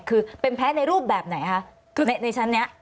คือเป็นแพ้ในรูปแบบไหนคะในชั้นนี้